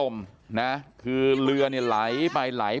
พี่บูรำนี้ลงมาแล้ว